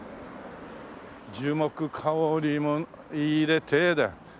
「樹木香りも入れて」だよ。